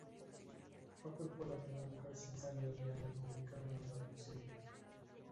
Roper fue la primera mujer sin sangre real en publicar una traducción.